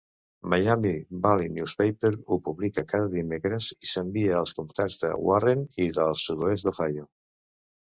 Miami Valley Newspapers ho publica cada dimecres i s'envia els comtats de Warren i del sud-oest d'Ohio.